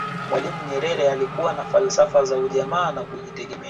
mwalimu nyerere alikuwa na falsafa za ujamaa na kujitegemea